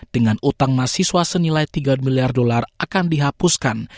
dengan utang mahasiswa senilai tiga miliar dolar akan dihapuskan